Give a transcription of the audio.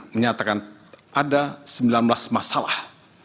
menyatakan ada sembilan belas masalah